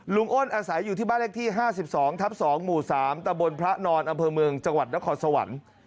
อ้นอาศัยอยู่ที่บ้านเลขที่๕๒ทับ๒หมู่๓ตะบนพระนอนอำเภอเมืองจังหวัดนครสวรรค์